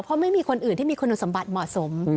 เพราะไม่มีคนอื่นที่มีคุณสมบัติเหมาะสม